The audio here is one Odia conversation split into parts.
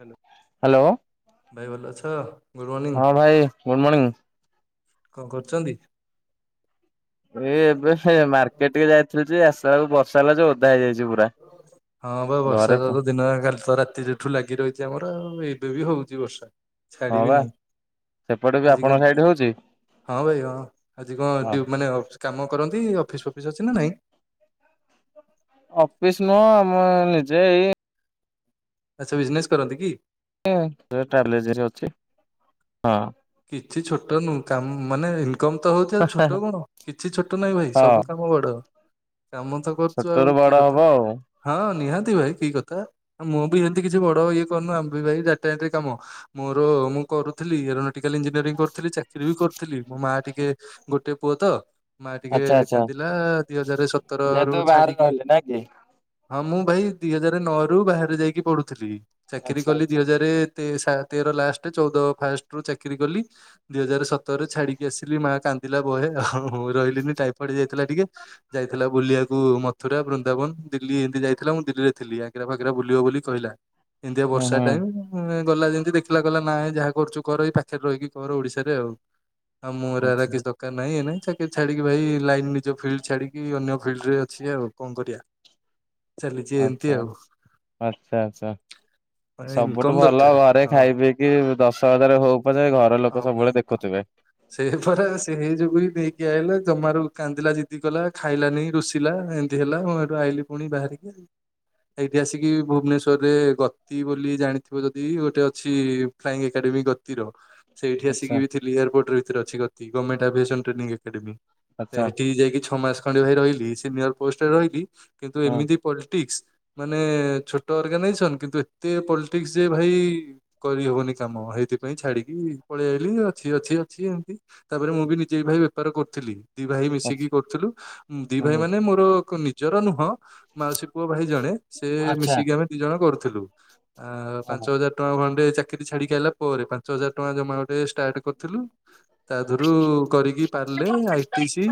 ହାଲୋ। ହାଲୋ। ଭାଇ ଭଲ ଅଛ? ଗୁଡ୍ ମର୍ଣ୍ଣିଂ ହଁ ଭାଇ ଗୁଡ଼୍ ମର୍ଣ୍ଣିଂ। କଣ କରୁଛନ୍ତି? ଏଇ ଏବେ ହେ ମାର୍କେଟ ଟିକେ ଯାଇଥିଲି ଯେ, ଆସିଲା ବେଳକୁ ବର୍ଷା ହେଲା ଯେ ଓଦା ହେଇଯାଇଛି ପୁରା। ହଁ ବା ବର୍ଷା ଘରେ ଯୋଗୁ ଦିନ ଯାକ କାଲି ତ ରାତି ଠୁ ଲାଗି ରହିଛି ଆମର। ଆଉ ଏବେ ବି ହଉଛି ବର୍ଷା ଛାଡି ହଁ ବିି ବା ନାହିଁ। ସେପଟେ ବି ଆଜି ଆପଣଙ୍କ କଣ? ସାଇଡ ହଉଛି ହଁ ଭାଇ ହଁ ଆଜି କଣ ହଁ। ଡ୍ୟୁ- ମାନେ ଅ କାମ କରନ୍ତି? ଅଫିସ୍, ଫଫିସ୍ ଅଛି ନା ନାହିଁ? ଅଫିସ୍ ନୁହଁ। ମୁଁ ନିଜେ ଏଇ ଆଚ୍ଛା ବିଜିନେସ୍ କରନ୍ତି କି? ଟ୍ରାଭେଲ ରେ ଅଛି। ହଁ। କିଛି ଛୋଟ ନୁଁ କାମ ମାନେ ଇନ୍କମ୍ ତ ହଉଛି। ଆଉ ଛୋଟ କଣ? କିଛି ଛୋଟ ନହିଁ ଭାଇ। ସବୁ କାମ ବଡ। କାମ ତ କରୁଛୁ ଆଉ ଛୋଟ ରୁ କି ବଡ କଥା। ହବ ଆଉ। ହଁ ନିହାତି ଭାଇ। କି କଥା? ମୁଁ ବି ସେମିତି କିଛି ବଡ ଇଏ କରନୁ, ଆମେ ବି ଭାଇ ଡାଟା ଏଣ୍ଟ୍ରି କାମ। ମୋର ମୁଁ କରୁଥିଲି [unintelligible] କରିଥିଲି ଚାକିରି ବି କରିଥିଲି ମୋ ମା ଟିକେ ଗୋଟେ ପୁଅ ତ ମା ଟିକେ ଆଚ୍ଛା ଆଚ୍ଛା କାନ୍ଦିଲା ଦିଇ ହଜାର ସତରରୁୁ ଯେହେତୁ ବାହାରେ ଛାଡିକି ରହିଲେ ନା କି? ହଁ ମୁଁ ଭାଇ ଦି ହଜାର ନଅରୁୁ ବାହାରେ ଯାଇକି ପଢୁଥିଲି, ଚାକିରି ଆଚ୍ଛା କଲି ଦି ଆଚ୍ଛା ହଜାର ତେର ଲାଷ୍ଟ ଚଉଦ ଫାଷ୍ଟ ରୁ ଚାକିରରି କଲି। ଦିଇ ହଜାର ସତରରେ ଛାଡିକି ଆସିଲି, ମା କାନ୍ଦିଲା ବହେ, ରହିଲିନି ଟାଇପଡି ଯାଇଥିଲା ଟିକେ ଯାଇଥିଲା ବୁଲିବାକୁ ମଥୁରା, ବୃନ୍ଦାବନ, ଦିଲ୍ଲୀ ଏମିତି ଯାଇଥିଲା ମୁଁ ଦିଲ୍ଲୀ ରେ ଥିଲ ଆ ଆଗରା ଫାଗାର ବୁଲିବ ବୋଲି କହିଲା, ଏମିତିଆ ହୁଁ ବର୍ଷା ହୁଁ ଟାଇ ଗଲା ଯେମିତି ଦେଖିଲା କହିଲା ନା ଯାହା କରୁୁ କର ଏଇ ପାଖରେ ରହିକି କର ଓଡିଶାରେ ଆଉ, ଆଉ ମୁଁର ଆଚ୍ଛା କି କ ନାଇଁ ଏ ନାଇଁକି ଛାଡିକି ଭାଇ ଲାଇନ ନିଜ ଫିଲ୍ଡ ଛାଡିକି, ଅନ୍ୟ ଫିଲ୍ଡ ରେ ଅଛି, ଆଉ କଣ କରିବା? ଚାଲିଛି ଏମିତି ଆଛା ଆଉ। ଆଛା ଆଛା। ମାନେ ସବୁଠୁ ଇନକମ ଭଲ ଦରକାର ଘରେ ହଁ ଖାଇ ପିଇକି ଦଶ ହଜରେ ହଉ ପଛେ ଘରେ ହ ଭାଇ ସେଇ ପରା, ସେଇ ଯୋଗୁ ବିି ନେଇକି ଆଇଲି, ଜମାରୁ କାନ୍ଦିଲା, ଜିଦିକଲା, ଖାଇଲାନି, ରୁଷିଲା, ଏମ ହେଲା ମୁଁ ଏଇଠୁ ଆଇଲି ପୁଣି ବାହାରିକି ଆଉ [inaudible] ଇତିହାସିକ ଭୁବନେଶ୍ୱରରେ ଗତି ବୋଲି ଜାଣିଥିବ ଯଦି ଗୋଟେ ଅଛି ଫ୍ଲୟିଙ୍ଗ ଏକାଡେମି ଗତିର ସେଇଠି ଆଚ୍ଛା ଆସିକି ଥିଲି ଏୟପୋର୍ଟରେ ଭିତରେ ଅଛି ଗତି, ଗଭର୍ଣ୍ମଣ୍ଟଭିସନ୍ ଟ୍ରେନି ଏକାଡେ଼ମି। ଆଚ୍ଛା ସେଠି ଯାଇକି ଛଅ ମାସ ଖଣ୍ଡେ ଭାଇ ରହିଲି ସିନିଅର ପୋଷ୍ଟରେ ରହିଲି। କିନ୍ତୁ ହଁ ଏମିତି ପଲିଟିକ୍ସ। ମାନେ ଛୋଟ ଅର୍ଗାନାଇଜେସନ କିନ୍ତୁ ଏତେ ପଲିଟିକ୍ସ ଯେ ଭାଇ କରିହବନି କାମ, ହେଇଥିପାଇଁ ଛାଡିକି ପଳେଇ ଆଇଲି ଅଛି ଅଛି ଅଛି, ଏମିତି, ତାପରେ ମୁଁ ବି ନିଜେ ଭାଇ ବେପାର କରୁଥିଲି। ଦି ଭାଇ ଆଚ୍ଛା। ମିଶିକି କରୁଥିଲୁ, ଦି ଭାଇ ହୁଁ। ମାନେ ମୋର ନିଜର ନୁହଁ ମାଉସୀ ପୁଅ ଭାଇ ଜଣେ, ସେ ଆଚ୍ଛା। ମିଶିକି ଆମେ ଦି ଜଣ କରୁଥିଲୁ, ଆ ପାଞ୍ଚ ଓହୋ ହଜାର ଟଙ୍କା ଖଣ୍ଡେ ଚାକିରି ଛାଡିକି ଆଇଲା ପରେ, ପାଞ୍ଚ ହଜାର ଟଙ୍କା ଜମା ଗୋଟେ ଷ୍ଟାର୍ଟ କରିଥିଲୁ। ତା ଦୂରୁ କରିକି ପାରିଲେ ଆଇଟି ସି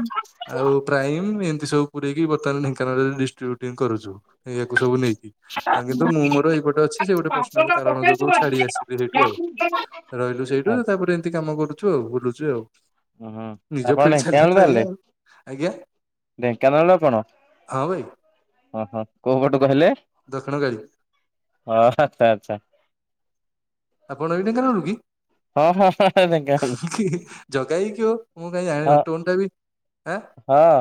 ଆଉ ପ୍ରାଇମ ଏମିତି ସବୁ ପୁରେଇକି ବର୍ତ୍ତମାନ ଢେଙ୍କାନାଳରେ ଡିଷ୍ଟ୍ରିବ୍ୟୁଟିଂ କରୁଚୁ, ୟା ସବୁ ନେଇକି। କିନ୍ତୁ ମୁଁମୋର ଏଇପଟେ ଅଛି, ସେ ଗୋଟେ ପର୍ସନାଲ କାରଣ ଯୋଗୁଁ ଛାଡି ଆସିଲି ସେଇଠୁ ଆଉ ରହିଲୁ ଆ ସେଇଠୁ ତାପରେ ଏମିତି କାମ କରୁଛୁ ଆଉ ବୁଲୁଛୁ ଆଉ ହୁଁ ନିଜ ଆପଣ ଫିଲ୍ଡ ଢେଙ୍କାନାଳ ଚାଲିଲେ ତ ତାହେଲେ ଏଇା ଆଉ, ଆଜ୍ଞା ଢେଙ୍କାନାଳ କଣ? ହଁ ଭାଇ ଓ ହୋ, କୋଉ ପଟୁ କହଲେ? ଦକ୍ଷିଣ କାଳୀ ହଁ ଆଛା ଆଛା। ଆପଣ ବି ଢେଙ୍କାନାଳ ରୁ କି? ହଁ ହଁ ହ କି ଜଗ ହେକି ମୁଁ କାଇହିଁ ହଁ ଜାଣିବି ଟୋନ ଟା ବିଁ ହଁ ଅ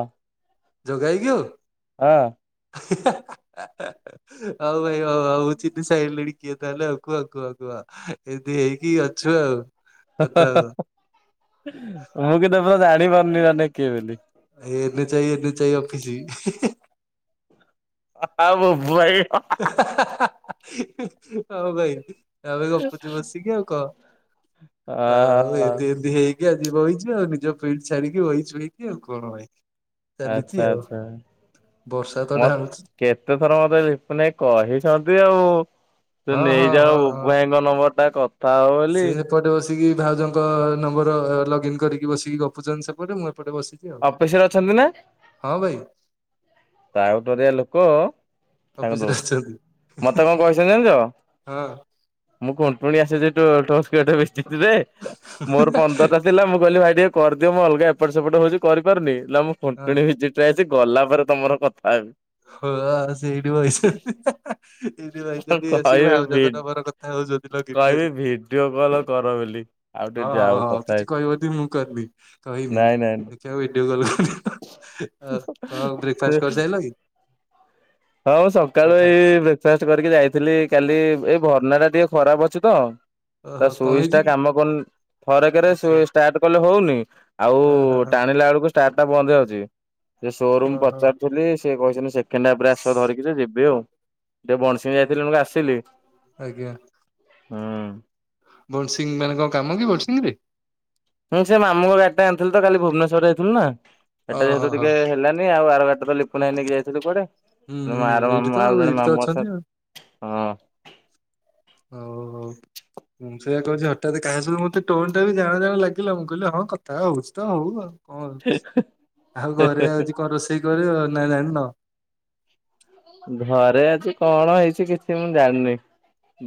ଯୋଗାଇ କିହୋ? ହଁ ଅ ଆଉ ଭାଇ ଆଉ ଆଉ ଚିନି ସାଇଲିଣି। କିଏ ତାହେଲେ ଆ କୁଆ କୁଆ କୁୁଆ ଏମିତି ହେଇକି ଅଛୁ ଆଉ କଥା ଆଉ। ମୁଁ କିତ ପୁର ଜାଣିପାରୁନି ଅନେ କିଏ ବୋଲି ଏନ୍ ଚାଇ ଏନ୍ ଚଇ ଅଫିଛି ହଁ ବବ ଭାଇ ହଉ ଭାଇ ତାପରେ ଗପୁଚୁ ବସିକି ଆଉ କହ, ଆ ଆଉ ଓହୋ ଏତି ଏମତି ହେଇକି ଆଜ୍ଞା ଯିବ ହେଇଛି ଆଉ ନିଜ ଫିଲ୍ ଛଡିକି ବହିଛୁ ଏଇକି ଆଉ କଣ ଭାଇ? ଆଚ୍ଛା ଚାଲିଛି ଆଉ, ଆଚ୍ଛା ବର୍ଷା ତ ମ ଢାଲୁଛି। କେତେ ଥର ମତେ ଲିପୁନ୍ ଭାଇ କହିଛନ୍ତି ଆଉ, ତୁ ହଁ ହଁ ନେଇଯାଉ ହଁ ବୁବୁ ହଁ। ଭାଇଙ୍କ ନମ୍ବର ଟା କଥା ହବ ବୋଲି ଏପଟେ ବସିକି ଭାଉଜଙ୍କ ନମ୍ବର ଲଗଇନ କରିକି ବସିକି ଗପୁଛନ୍ତି ସେପଟେ ମୁଁ ଏପଟେ ବସିିକି ଅଫିସ ରେ ଅଛନ୍ତି ନା? ହଁ ଭାଇ। ଟାଉ ଟରିଆ ଲୋକ ତାଙ୍କୁ ଅଫିସରେ ଦଉଛି ଅଛନ୍ତି। ମତେ କଣ କହିଛନ୍ତି ଜାଣିଛ? ହଁ। ମୁଁ ଗୁଣ୍ଠୁଣି ଆସିଛି ଟୋ ଟୋ [unintelligible] ବିସ୍କିଟ୍ ରେ ମୋର ପନ୍ଦରଟା ଥିଲା ମୁଁ କହିଲି ଭାଇ ଟିକେ କରିଦିଅ ମୁଁ ଅଲଗା ଏପଟସେପଟ ହଉଛି କରିପାରୁନି ମୁଁ ହଁ। ଖୁଣ୍ଟୁଣି ଭିଜିଟ ରେ ରେ ଆଇଛି ଗଲା ପରେ ତମର କଥା ହେବି। ହଉ ଆଉ ସେ ଏଇଠି ବଇ ଛନ୍ତି। [unintelligible] ଏଇଠି ବଇଛନ୍ତି ଆସିକି କହିବି ଭାଉଜ ଭି ଙ୍କ ନମ୍ୱର କଥା ହଉଛନ୍ତି ଲଗଇନ୍ କହିବି କରିକି? ଭିଡିଓ କଲ କର ବୋଲି ଆଉ ହଁ ଟିକେ ହଁ ଯାଉ ହଉ କଥା କିଛି ହେଇ କହିବନି ମୁଁ କରିନି କହିନି ନାଇଁ ନାଇଁ ଦେଖିବ ଭିଡିଓ କରିକି? [unintelligible] ହଉ ବ୍ରେକ ଫାଷ୍ଟ କରି ସରିଲଣି? ହଉ ଏଇ ସକାଳୁ ଖାଇ ଏଇ ଦେଖ ବ୍ରେକ ଫାଷ୍ଟ କରିକି ଯାଇଥିଲି କାଲି ଏଇ ବର୍ଣ୍ଣନା ଟା ଟିକେ ଖରାପ ଅଛି ତ? ତା ଓହୋ କଣ ସୁଇଚ ଟା ହେଇଛି କି କାମ କରୁନି ଥରକରେ ଆଚ୍ଛା ସୁଇ ଷ୍ଟାର୍ଟ କଲେ ହଉନି। ଆଉ ହଁ ହଁ ହଁ ଟାଣିଲା ବେଳକୁ ଷ୍ଟାଟ୍ ଟା ବନ୍ଦ ହେଇ ଯାଉଛି ସେ ସୋରୁମ୍ ଓହୋ। ପଚାରୁଥିଲି ସେ କହିଛନ୍ତି ସେଠି କେଣ୍ଡା ପ୍ରାସର ଆସ ଧରିକିରି ଯିବି ଆଉ ଟିକେ ବଣସିଂ ଯାଇଥିଲି ଆସିଲି ଆଜ୍ଞା। ହଁ। ବନ୍ସିଂ ମାନେ କଣ କାମ କି ବନ୍ସିଂ ରେ। ହୁଁ ସେ ମାମୁଁ ଙ୍କ ଗାଡି ଟା ଆଣିଥିଲୁ ତ କାଲି ଭୁବନେଶ୍ୱର ଯାଇଥିଲୁ ନା। ଏଟା ଓହୋ ଯେହେତୁ ହୋ ଟିକେ ହେଲାନି ଆଉ ଆର ଗାଡ଼ି ଟା ତ ପୁଣି ନେଇକି ଯାଇଥିଲୁ କୁଆଡେ ହୁଁ ଆର ହୁଁ ଏଇଠି ତ ମାମୁଁ ଆଉ ଜଣେ ଏଇଠି ତ ମାମୁଁ ଅଛନ୍ତି ଆଉ ହଁ। ହଉ ହଉ। ମୁଁ ସେଇୟା କହୁଛି ହଠାତ୍ କାହା ସହ ମତେ ଟୋନ ଟା ବି ଜାଣ ଜାଣ ଲାଗିଲା ମୁଁ କହିଲି ହଁ କଥା ହୋଉଛି ତ ହୋଉ ଆଉ। କଣ ହଉଛି ଆଉ ଘରେ ଆଜି କଣ ରୋଷେଇ କରିବ ନା ଜାଣିନ? ଘରେ ଅଛି କଣ ହେଇଛି କିଛି ମୁଁ ଜାଣିନି।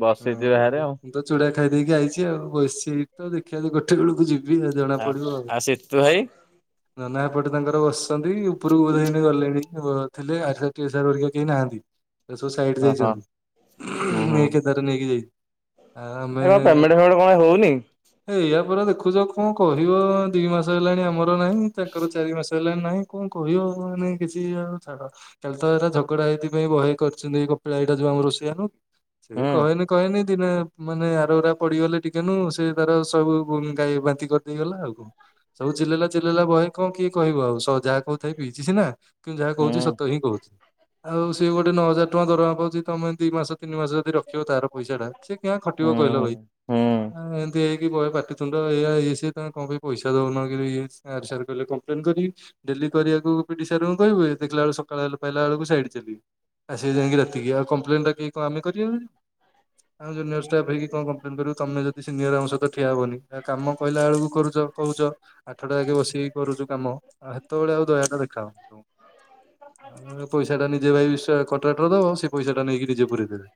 ବସିଛି ହୁଁ ବାହାରେ ଆଉ। ମୁଁ ତ ଚୂଡ଼ା ଖାଇଦେଇକି ଆଇଛି ଆଉ ବସିଛି ତ ଆଉ ଦେଖିଆ ଗୋଟେ ବେଳକୁ ଯିବି ଆଉ ଜଣା ଆ ପଡିବ ଆଉ ସିତୁ ଭାଇ? ନନା ଏପଟେ ତାଙ୍କର ବସି ଅଛନ୍ତି ଉପରକୁ ହିଆଡେ ଗଲେଣି ଥିଲେ ଆକେଶା ହେରିକା କେହି ନାହାନ୍ତି। ସେ ସବୁ ସାଇଡ ଓହୋ ଯାଇଛନ୍ତି ହୁଁ ହୁଁ ନେଇକି ତାର ନେଇକି ଯାଇ ଏ ପେଟେଣ୍ଟ ଫେମେଣ୍ଟ କଣ ହଉନି? ଏ ୟା ପରା ଦେଖୁଛ କଣ କହିବ ଦି ମାସ ହେଲାଣି ଆମର ନାହିଁ ତାଙ୍କର ଚାରି ମାସ ହେଲେ ନାଇଁ କଣ କହିବ ମାନେ କିଛି ଆ ଛାଡ଼। କାଲି ତ ଏ ଝଗଡା ଏଇଥି ପାଇଁ ବହେ କରିଛନ୍ତି ଏଇ କପିଳା ଏଇଟା ଯୋଉ ଆମ ରୋଷେଆ ନୁହଁ। ସେ ହୁଁ କହେନି କହେନି ଦିନେ ମାନେ ଆରଗରା ପଡିଗଲେ ଟିକେ ନୁ ସେ ତାର ସବୁ ଗାଈ ବାନ୍ତି କରିଦେଇଗଲା ଆଉ। ସବୁ ଚିଲେଇଲା ଚିଲେଇଲା ବହେ କଣ କିଏ କହିବ ଆଉ ସ ଯାହା କହୁଥାଏ ପିଇଛି ସିନା। କିନ୍ତୁ ଯାହା କହୁଛି ହୁଁ ସତ ହିଁ କହୁଛି ଆଉ ସିଏ ଗୋଟେ ନଅ ହଜାର ଟଙ୍କା ଦରମା ପାଉଛି ତମେ ଦି ମାସ ତିନି ମାସ ଯଦି ରଖିବ ତାର ପଇସା ଟା ସେ କିଆ ହୁଁ ଖଟିବ କହିଲ ଭାଇ? ହୁଁ ଆ ଏମିତି ହେଇକି ବହେ ପାଟିୁତୁଣ୍ଡ ଏୟା ଇଏ ସିଏ ତମେ କଣ ପାଇଁ ପଇସା ଦଉନ କି ଇଏ ଆ ସାର୍ କହିଲେ କମ୍ପ୍ଲେନ୍ କରିବି। ଡେଲି କରିବାକୁ ପିଡି ସାରଙ୍କୁ କହିବୁ ଦେଖିଲା ଆଳୁ ସକାଳ ପାଇଲା ବେଳକୁ ସାଇଡ ରେ ଥିବେ। ଆ ସେ ଯାଇକି ରାତିକି ଆଉ କମ୍ପ୍ଲେନ୍ ଟା କିଏ କଣ ଆମେ କରିବାକୁ ଯିବୁ? ଆଉ ଜୁନିୟର ଷ୍ଟାଫ୍ ହେଇକି କଣ କମ୍ପ୍ଲେନ କରିବୁ ତମେ ଯଦ ସିନିଅର ଆମ ସହିତ ଠିଆ ହବନି ଆ କାମ କହିଲା ଆଳକୁ କରୁଛ। କହୁଛ ଆଠଟା ଯାକେ ବସିକି କରୁଛୁ କାମ ଆଉ ହେତେବେଳେ ଆଉ ଦୟାଟା ଦେଖାଯାଉନି। ପଇସା ଟା ନିଜେ ଭାଇ ବିଶ୍ୱାକଣ୍ଟ୍ରାଟ୍ର ର ଦବ ସେ ପଇସା ଟା ନେଇକି ନିଜେ ପୁରେଇ ଦେବେ।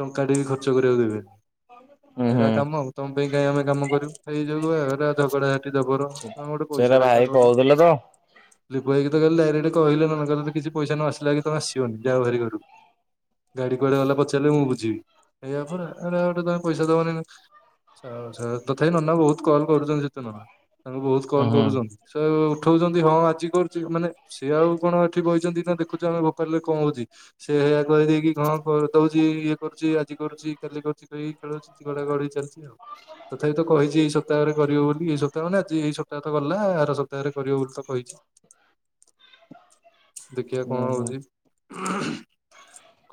ଟଙ୍କା ଟେ ବି ଖର୍ଚ୍ଚ କରିବାକୁ ଦେବେନି ହୁଁ ଏଇଟା ହୁଁ। କାମ ଆଉ ତମ ପାଇଁ କାହିଁ ଆମେ କାମ କରିବୁ ସେଇ ଯୋଗୁ ଏଉ ରା ଝଗଡା ଝାଣ୍ଟି ଜବର ତମେ ଗୋଟେ ପଇସା ସେରା ଟା ଆଜ୍ଞା ଭାଇ ଦଉନ କହୁଥିଲେ ତ ଲିପୁ ଭାଇ କିତ କାଲି ଡାଇରେକ୍ଟ କହିଲେ ନନା ତମର ତ କିଛି ପଇସା ନ ଆସିଲେ କି ତମେ ଆସିବନି ଯଅ ଭାରି ଘରକୁ ଗାଡି କୁଆଡେ ଗଲା ପଚାରିଲେ ମୁଁ ବୁଝିବି ଏଇ କଥା ନା ଏରା ଗୋଟେ ତମେ ପଇସା ଦବନି ଆଚ୍ଛା ତଥାପି ନନା ବହୁତ କଲ୍ କରୁଛନ୍ତି ସେତ ନନା ତାଙ୍କୁ ବହୁତ ଉଁ କଲ୍ ହୁଁ କରୁଛନ୍ତି। ସ ଉଠଉଛନ୍ତି ହଁ ଆଜି କରୁଛି ମାନେ ସିଏ ଆଉ କଣ ଏଠି ବଇଛନ୍ତି ନା ଦେଖୁଛୁ ଆମେ ଭୋପାଲରେ କଣ ହଉଛି ସେ ହେଇଆ କହିଦେଇକି କଣ କହୁଛି ଇଏ କରୁଛି ଆଜି କରୁଛି କାଲି କରୁଛି କହିକି ଖେଳୁଛିଗଡା ଗଡେଇ ଚାଲିଛି ଆଉ ତଥାପି ତ କହିଛି ଏଇ ସପ୍ତାହରେ କରିବ ବୋଲି ଏଇ ସପ୍ତାହେ ଆଜି ଏଇପ୍ତାହ ତ ଗଲା ଆର ସପ୍ତାହରେ କରିବ ବୋଲି ତ କହିଛି [unintelligible] ଦେଖିବା ଉଁ କଣ ହୁଁ ହୋଉଚି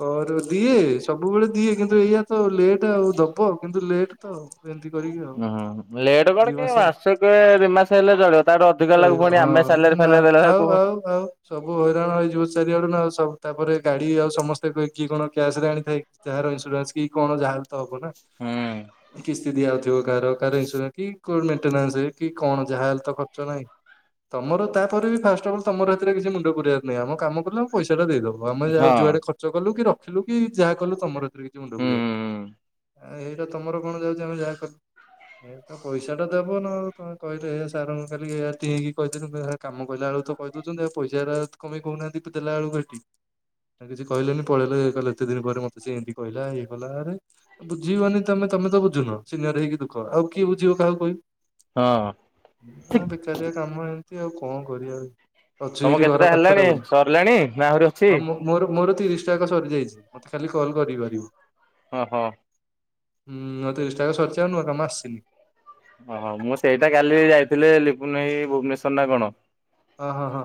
କର ଦିଏ ସବୁବେଳେ ଦିଏ କିନ୍ତୁ ଏଇଆ ତ ଲେଟ୍ ଆଉ ଦବ କିନ୍ତୁ ଲେଟ୍ ତ ଏମିତି କରିକି ଆଉ ହଁ ଲେଟ୍ ଦି କଣ କି ମାସ ମାସେକେ ଦି ମାସେ ହେଲେ ଚଳିବ ତାଠୁ ଅଧିକା ହେଲେ ଚଳିବ ଫୁଣି ଆମେ ହଁ ସାଲାରି ନା ଫାଲାରି ଦେଲା ଆଉ ବେଳକୁ ଆଉ ଆଉ ସବୁ ହଇରାଣ ହେଇଯିବ ଚାରିଆଡୁ ନା ସବୁ ଆଉ ତାପରେ ଗାଡି ଆଉ ସମସ୍ତେ କିି କଣ କ୍ୟାସ ରେ ଆଣିଥାଏ ଯାହାର ଇନ୍ସୁରାନ୍ସ କି କଣ ଯାହା ବି ତ ହବ ନା। ହୁଁ କିସ୍ତି ଦିଆଯାଉଥିବ କାହାର କାହାର ଇନ୍ସୁରାନ୍ସ କି ମେଣ୍ଟେନ୍ସ କି କଣ ଯାହା ଲେହେତ ଖର୍ଚ୍ଚ ନା ନାଇଁ। ତମର ତାପରେ ଫାଷ୍ଟ ଅଫ୍ଲ୍ ତମର ହେତରେ କିଛି ମୁଣ୍ଡ ପୁରେଇବାର ନାହିଁ ଆମ କାମ କଲ ଆମ ପଇସା ଟା ଦେଇଦବ। ହୋଉ ଆମେ ହଁ ଯୁଆଡେ ଖର୍ଚ୍ଚ କଲୁ କି ରଖିଲୁ କି ଯାହା କଲୁ ତମର ଏଥିରେ କିଛି ମୁଣ୍ଡ ହୁଁ ଫୁରେଇ ବାର ନାହିଁ। ଆ ଏଇଟା ତମର କଣ ଯାଉଛି ଆମେ ଯାହା କଲୁ ଆଉ ପଇସାଟା ଦେବ ନା ଆଉ ତମେ କହିଲେ ହେ ସାର୍ କାଲି ହିଆତି ହେଇକି କହିଥିଲି କାମ ପଇଲା ବେଳକୁ ତ କହିଦଉଛନ୍ତି ଆଉ ପଇସା ଟା କମେଇକି କହୁନାହାନ୍ତି ଦେଲା ବେଳକୁ ହେଟି କିଛି କହିଲେନି ପଳେଇଲେ କହିଲେ ଏତେ ଦିନ ପରେ ମତେ ସେ ଏମିତି କହିଲା ଇଏ କଲା ଆରେ ବୁଝିବନି ତମେ ତମେ ତ ବୁଝୁନ ସିନିୟର ହେଇକି ଦୁଃଖ ଆଉ କିଏ ବୁଝିବ କାହାକୁ କହିବି। ହଁ ନା ବେକାରିଆ କାମ ଏମିତି ଆଉ କଣ କରିବା ଆଉ। ଅଛି ତମ ଏଠି ଘର କେତେଟା ପାଖଟା ହେଲାଣି ବୋଲି ସରିଲାଣି ନା ଆହୁରି ଅଛି ହଁ ମୁଁ ମୋର ମୋର ତିରିଶଟା ଯାକ ସରିଯାଇଛି। ମତେ ଖାଲି କଲ୍ କରିପାରିବ। ଅ ହଁ। ହୁଁ ମର ତିରିଶଟା ଯାକ ସରିଛି। ଆଉ ନୂଆ କାମ ଆସିନି। ଓହୋ। ମୁଁ ସେଇଟା କାଲି ଯାଇଥିଲେ ଲିପୁନ ଭାଇ ଭୁବନେଶ୍ଵର ନା କଣ? ଅ ହଁ ହଁ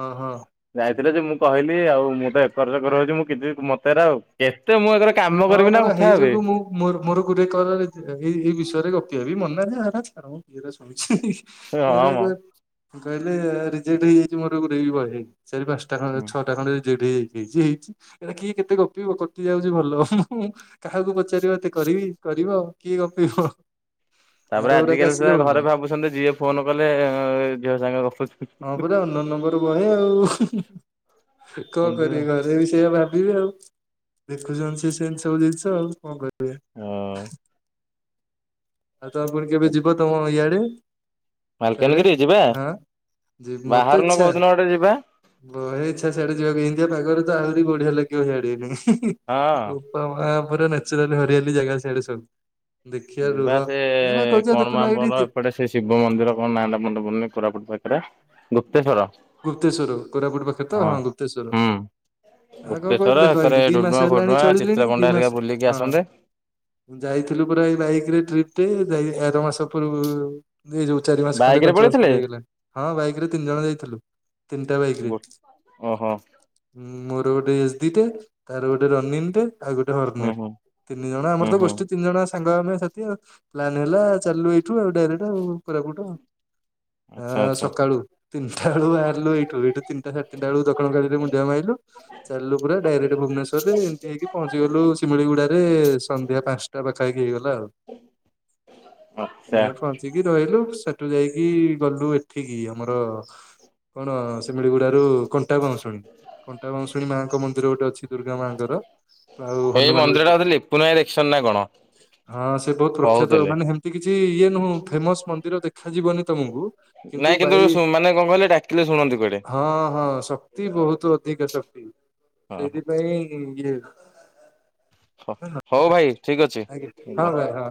ହଁ ହଁ। ଯାଇଥିଲେ ଯେ, ମୁଁ କହିଲି ଆଉ ମୁଁ ତ ଏକର ସେକଡ ହଉଛି ମୁଁ କିଛି ମତେ ଏରା କେତେ ମୁଁ ଏକରେ କାମ ହଁ କରିବି ନା ପରା କଥା ହେଇ ହେବେ? ଯୋଗୁ ମୁଁ ମୋର ମୋର ଗୋଟେ କଲ ଏଇ ଏଇ ବିଷୟରେ ଗପି ହେବି ମନାଯେ ହେରା ଛାଡ଼ କିଏ ତାକୁ ଶୁନୁଛି ହଁ ଏରା ମ କହିଲେ ରିଜେକ୍ଟ ହେଇଯାଇଛି ମୋରଗୁରେ ବି ବହେ ଚାରି, ପାଞ୍ଚ ତାଙ୍କର ଛଅଟା ଖଣ୍ଡେରିଜେକ୍ଟ ହେଇଯାଇଛି ହେଇଛି ଏରା କିଏ କେତେ ଗପିବ କଟିଯାଉଛି ଭଲ ମୁଁ କାହାକୁ ପଚାରିବ ଏତେ କରିବି କରିବ କିଏ ଗପିବ ଆର ତାପରେ ଗୁରାକ ଆଜିକାଲି ଆସିଲେ ସୁଧା ଭଲ। ଘରେ ଭାବୁଛନ୍ତି ଯିଏ ଫୋନ କଲେ ଝିଅ ସାଙ୍ଗେ ଗପୁଛୁ ହଁ ପୁରା ଅନ୍ୟ ନମ୍ବର ରୁ ବହେ ଆଉ କଣ ବୁଝିଲ କରିବେ କହି ଯୋଉ ବିଷୟ ଭାବିଲେ ଦେଖୁଛନ୍ତି ସେ ସେମିତି ଆଉ ଦେଖୁଛନ୍ତି ସେ ସେମିତି ସବୁ ଜିନିଷ ଆଉ କଣ କରିବା ହୁଁ ଆଉ ତାପରେ କେବେ ଯିବ ତମ ଇଆଡେ ଆରେ ମାଲକାନଗିରି ଯିବା ଆଁ ମୋର ତ ବାହାରୁନ ଇଚ୍ଛା। କୋଉଦିନ ଗୋଟେ ଯିବା ବହେ ଇଚ୍ଛା ସିଆଡେ ଯିବାକୁ। ଇନ୍ତିଆ ପାଗରେ ତ ଆହୁରି ବଢିଆ ଲାଗିବ ହିଆଡେ। ହଁ ୟା ପରେ ନେଚୁରାଲି ହରିଆଲି ଜାଗା ସିଆଡେ ସବୁ। ଦେଖିବା ରୁହ ଏ ବା କହୁଛି କଣ ଦେଖୁନ ଏଇଠି [unintelligible] ହେଇଟା ସେ ଶିବ ମନ୍ଦିର କଣ ନାଁ ଟା ମାନେ ପଡୁନି କୋରାପୁଟ ପାଖରେ। ଗୁପ୍ତେଶ୍ୱର। ଗୁପ୍ତେଶ୍ଵର। କୋରାପୁଟ ପାଖରେ ତ? ହଁ ଗୁପ୍ତେଶ୍ୱର। ହୁଁ ଆଉ କଣ କର ଗୁପ୍ତେଶ୍ଵର ଦେଖ ଏକରେ ଏଇଠି ଦି ଡୁଡୁମା ମାସ ହେଲାଣି ଫୁଡୁମା ଚଳିଲୁଣି ଚିତ୍ରକୋଣ୍ଡା ଦି ହେରିକା ମାସ। ବୁଲିକି ହଁ। ଆସନ୍ତେ। ଯାଇଥିଲୁ ପୁରା ଏଇ ବାଇକରେ ଟ୍ରିପରେ ଯାଇ ଆର ମାସ ପୂର୍ବରୁ ଏଇ ଯୋଉ ଚାରି ମାସ ବାଇକ୍ ଖଣ୍ଡେ ରେ ପାଞ୍ଚ ମାସ ପଳେଇଥିଲେ ଖଣ୍ଡେ ହେଇଗଲା। ହଁ ବାଇକି ରେ ତିନି ଜଣ ଯାଇଥିଲୁ। ତିନିଟା ବାଇକି ରେ। ଗୋ ଓହୋ ଉଁ ମୋର ଗୋଟେ ଏସ୍ଦିଟେ ତାର ଗୋଟେ ରନୀନଟେ। ଆଉ ଗୋଟେ ହୁଁ ହର୍ନର ହୁଁ ତିନି ଜଣ ହୁଁ ଆମର ତ ହୁଁ। ଗୋଷ୍ଠୀ। ତିନି ଜଣ ସାଙ୍ଗ ଆମେ ସାଥି ଆଉ ପ୍ଲାନ ହେଲା ଚାଲିଲୁ ଏଇଠୁ ଆଉ ଡାଇରେକ୍ଟ ଆଉ କୋରାପୁଟ। ଅ ଆଚ୍ଛା ଆଚ୍ଛା ସକାଳୁ ତିନିଟା ଆଉ ବାହାରିଲୁ ଏଉଠୁ ଏଇଠୁ ତିନିଟା ସାଢେ଼ ତିନିଟା ବେଳକୁ ଦକ୍ଷିଣ କାଳୀରେ ମୁଣ୍ଡିଆ ମାଇଲୁ। ଚାଲିଲୁ ପୁରା ଡାଇରେକ୍ଟ ଭୁବନେଶ୍ୱରରେଏମିତି ହେଇକି ପହଞ୍ଚି ଗଲୁ ଶିମଳିଗୁଡାରେ ସନ୍ଧ୍ୟା ପାଞ୍ଚ ଟା ପାଖା ପାଖି ହେଇଗଲା ଆଉ। ଆଛା। ସେଠି ରହିଲୁ ସେଠୁ ଯାଇକି ଗଲୁ ଏଠିକି ଆମର କଣ ଶିମିଳିଗୁଡାରୁ କଣ କଣ୍ଟା ବାଉଁସୁଣୀ କଣ୍ଟା ବାଂଉସୁଣୀ ମାଙ୍କ ମନ୍ଦିର ଗୋଟେ ଅଛି ଦୁର୍ଗା ମାଙ୍କର। ଆଉ ଏଇ ହନୁମାନବି ମନ୍ଦିର ଟା ବୋଧେ ଲିପୁନ ଭାଇ ଦେଖିଛନ୍ତି ନା କଣ ହଁ ସେ ବହୁତ ପ୍ରଖ୍ୟାତ କହୁଥିଲେ। ମାନେ କିଛି ଇଏ ନୁହଁ ଫେମସ ମନ୍ଦିର ଦେଖାଯିବନି ତମକୁ। ନାଇଁ କିନ୍ତୁ ମାନେ କଣ କହିଲେ ଡାକିଲେ ଶୁଣନ୍ତି କୁଆଡେ। ହଁ ହଁ ଶକ୍ତି ବହୁତ ଅଧିକ ଶକ୍ତି। ହଁ ସେଇଥିପାଇଁ ଇ-ଇୟେ ହଁ ହଉ ଭାଇ ଠିକ ଆଜ୍ଞା ଅଛି। ହଁ ଭାଇ ହଁ।